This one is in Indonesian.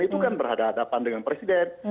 itu kan berhadapan dengan presiden